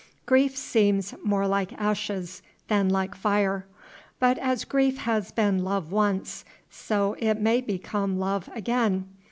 Grief seems more like ashes than like fire; but as grief has been love once, so it may become love again.